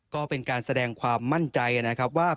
ก็เป็นการแสดงความมั่นใจนะครับว่า